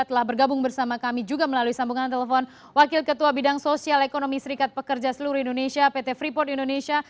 telah bergabung bersama kami juga melalui sambungan telepon wakil ketua bidang sosial ekonomi serikat pekerja seluruh indonesia pt freeport indonesia